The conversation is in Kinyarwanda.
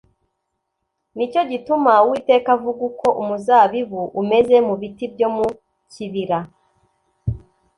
Ni cyo gituma Uwiteka avuga Uko umuzabibu umeze mu biti byo mu kibira